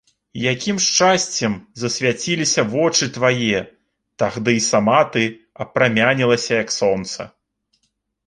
Якім шчасцем засвяціліся вочы твае тагды і сама ты абпрамянілася, як сонца!